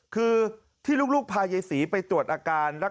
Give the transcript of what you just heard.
เห็นแล้วสะท้อนใจนะ